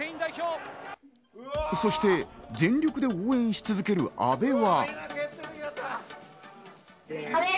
そして全力で応援し続ける阿部は。